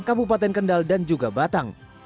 kabupaten kendal dan juga batang